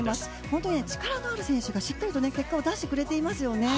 本当に力のある選手がしっかり結果を出してくれていますね。